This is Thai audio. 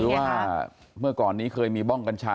หรือว่าไงก่อนนี้เคยมีบ้องกัญชา